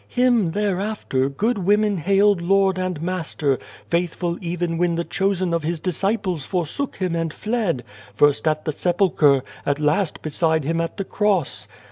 Him, thereafter, good women hailed Lord and Master, faithful even when the chosen ol His disciples forsook Him and fled first at the sepulchre, as last beside Him at the Cross.